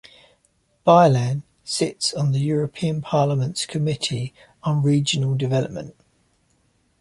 Bielan sits on the European Parliament's Committee on Regional Development.